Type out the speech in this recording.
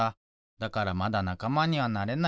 だからまだなかまにはなれない。